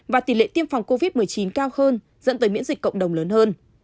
và tỷ lệ tiêm phòng covid một mươi chín cao hơn dẫn tới miễn dịch cộng đồng lớn hơn